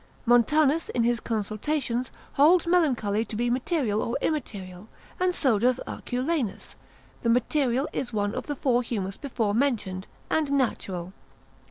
Montanus, in his Consultations, holds melancholy to be material or immaterial: and so doth Arculanus: the material is one of the four humours before mentioned, and natural.